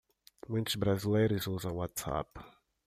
Muitos brasileiros usam o WhatsApp.